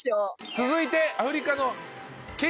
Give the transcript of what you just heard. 続いてアフリカのケニア。